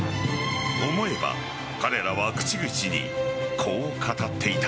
思えば彼らは口々にこう語っていた。